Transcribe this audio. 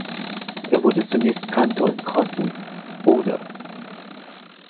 Er wurde zunächst Kantor in Crossen (Oder).